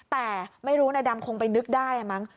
แต่ไม่รู้นายดำคงไปนึกได้มั้ง